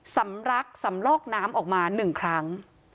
สำรักสำลอกน้ำออกมา๑ครั้ง